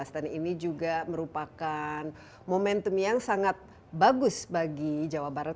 dan ini juga merupakan momentum yang sangat bagus bagi jawa barat